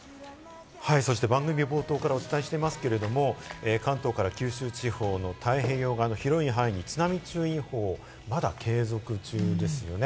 番組冒頭からお伝えしていますけれど、関東から九州地方の太平洋側の広い範囲に津波注意報がまだ継続中です。